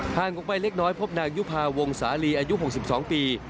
ออกไปเล็กน้อยพบนางยุภาวงศาลีอายุ๖๒ปี